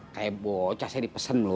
kayak bocah saya dipesan loh